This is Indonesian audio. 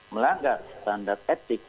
melanggar standar etik